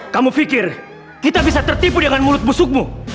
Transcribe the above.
kamu pikir kita bisa tertipu dengan mulut busukmu